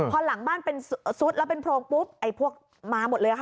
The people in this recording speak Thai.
พอหลังบ้านมันซุดแล้วเป็นโพงพวกมันมาหมดเลย